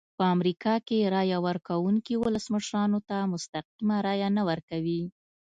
په امریکا کې رایه ورکوونکي ولسمشرانو ته مستقیمه رایه نه ورکوي.